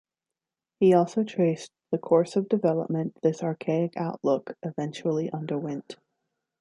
He also traced "the course of development this archaic outlook eventually underwent".